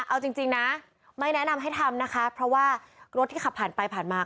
เอาจริงนะไม่แนะนำให้ทำนะคะเพราะว่ารถที่ขับผ่านไปผ่านมา